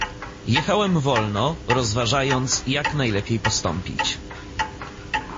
"Jechałem wolno, rozważając, jak najlepiej postąpić."